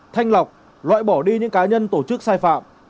thanh lọc loại bỏ đi những cá nhân tổ chức sai phạm